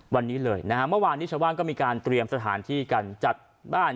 วันนี้เลยนะฮะเมื่อวานนี้ชาวบ้านก็มีการเตรียมสถานที่กันจัดบ้าน